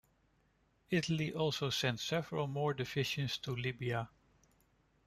Italy also sent several more divisions to Libya.